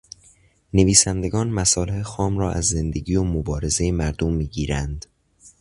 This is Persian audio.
نویسندگان مصالح خام را از زندگی و مبارزهٔ مردم میگیرند.